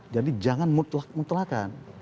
jadi jangan mutlak mutlakan